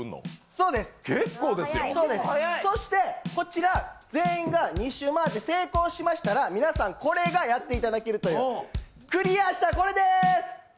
こちら全員が２周回って成功しましたら皆さんこれがやっていただけるというクリアしたらこれです。